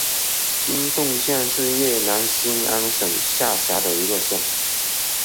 金洞县是越南兴安省下辖的一个县。